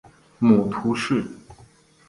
母屠氏。